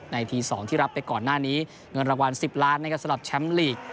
ที๒ที่รับไปก่อนหน้านี้เงินรางวัล๑๐ล้านนะครับสำหรับแชมป์ลีก